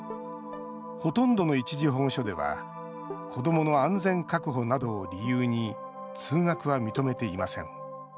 ほとんどの一時保護所では子どもの安全確保などを理由に通学は認めていません。